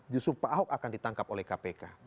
justru pak ahok akan ditangkap oleh kpk